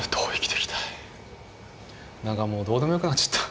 何かもうどうでもよくなっちゃった。